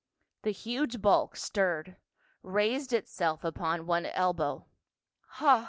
The huge bulk stirred, raised itself upon one elbow. " Ha